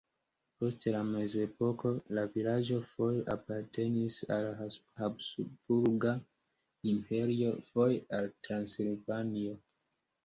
Post la mezepoko la vilaĝo foje apartenis al Habsburga Imperio, foje al Transilvanio.